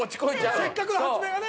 せっかくの発明がね！